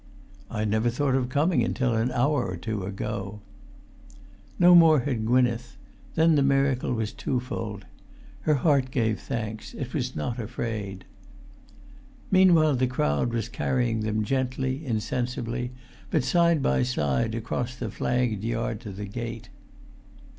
"I never thought of coming until an hour or two ago." No more had Gwynneth: then the miracle was twofold. Her heart gave thanks. It was not afraid. Meanwhile the crowd was carrying them gently, insensibly, but side by side, across the flagged yard to the gate.